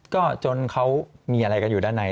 ก็จนเขามีอะไรกันอยู่ด้านใน